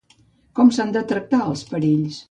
Com s'han de tractar els perills?